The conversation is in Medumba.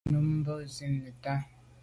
Nummb’a zin neta.